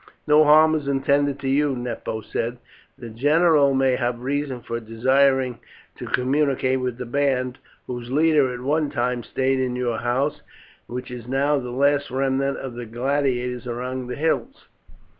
"No harm is intended you," Nepo said. "The general may have reason for desiring to communicate with the band, whose leader at one time stayed in your house, and which is now the last remnant of the gladiators among the hills.